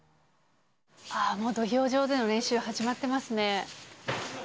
ああ、もう土俵上での練習、始まってますね。